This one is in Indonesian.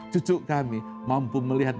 cucuk kami mampu melihat